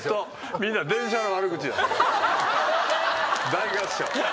大合唱。